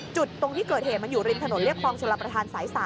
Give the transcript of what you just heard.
ตรงที่เกิดเหตุมันอยู่ริมถนนเรียบคลองชลประธานสาย๓